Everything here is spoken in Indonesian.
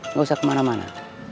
nggak usah kemana mana